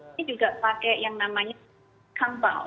ini juga pakai yang namanya kampau